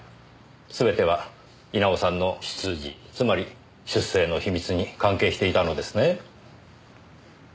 すべては稲尾さんの出自つまり出生の秘密に関係していたのですね。